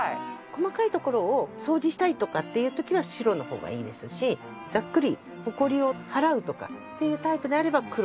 細かい所を掃除したいとかっていう時は白の方がいいですしざっくりほこりを払うとかっていうタイプであれば黒